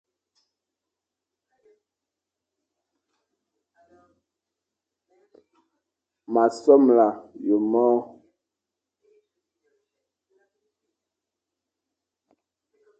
M a somla ye môr.